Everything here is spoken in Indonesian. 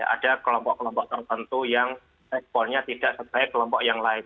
ada kelompok kelompok tertentu yang responnya tidak sebaik kelompok yang lain